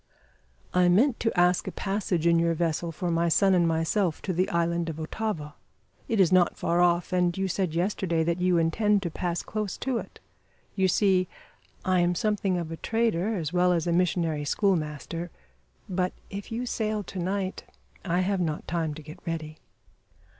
"I meant to ask a passage in your vessel for my son and myself to the island of Otava. It is not far off, and you said yesterday that you intend to pass close to it. You see, I am something of a trader, as well as a missionary schoolmaster; but if you sail to night I have not time to get ready."